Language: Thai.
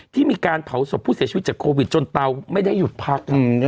ที่มีการเผาศพผู้เสียชีวิตจากโควิดจนเตาไม่ได้หยุดพัก